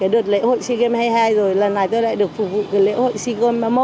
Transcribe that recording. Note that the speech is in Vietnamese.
được lễ hội si game hai mươi hai rồi lần này tôi lại được phục vụ si game hai mươi hai